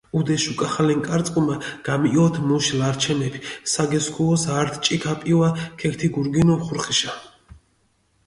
ჸუდეშ უკახალენ კარწკუმა გამიჸოთ მუშ ლარჩემეფი, საგესქუოს ართ ჭიქა პივა ქეგთიგურგინუ ხურხიშა.